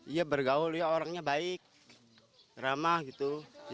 iya bergaul ya orangnya baik ramah gitu